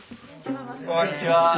こんにちは！